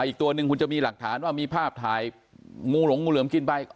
อีกตัวหนึ่งคุณจะมีหลักฐานว่ามีภาพถ่ายงูหลงงูเหลือมกินไป